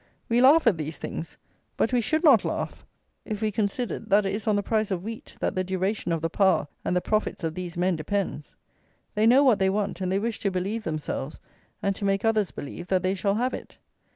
We laugh at these things; but we should not laugh, if we considered, that it is on the price of wheat that the duration of the power and the profits of these men depends. They know what they want; and they wish to believe themselves, and to make others believe, that they shall have it.